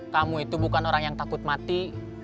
kamu itu bukan orang yang takut mati